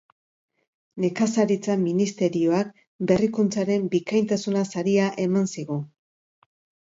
Nekazaritza Ministerioak Berrikuntzaren bikaintasuna saria eman zigun.